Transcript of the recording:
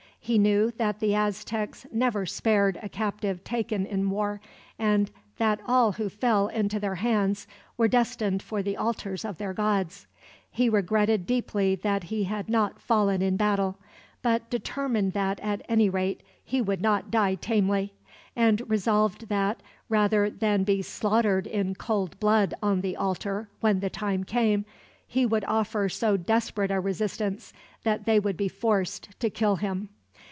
He knew that the Aztecs never spared a captive taken in war, and that all who fell into their hands were destined for the altars of their gods. He regretted deeply that he had not fallen in battle; but determined that, at any rate, he would not die tamely; and resolved that, rather than be slaughtered in cold blood on the altar, when the time came, he would offer so desperate a resistance that they would be forced to kill him.